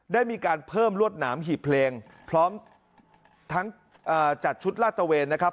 ได้มีการเพิ่มรวดหนามหีบเพลงพร้อมทั้งจัดชุดลาดตะเวนนะครับ